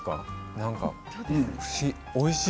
なんかおいしい。